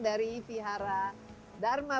dari pihara dharma